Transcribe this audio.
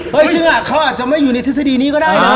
เฮ้ยซึ่งอ่ะเขาอาจจะไม่อยู่ในทศดีนี้ก็ได้นะ